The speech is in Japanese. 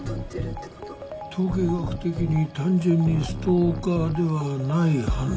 統計学的に単純にストーカーではない犯罪。